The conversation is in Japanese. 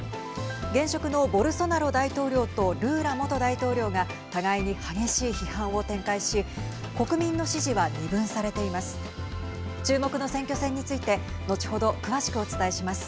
現職のボルソナロ大統領とルーラ元大統領が互いに激しい批判を展開し国民の支持は二分されています。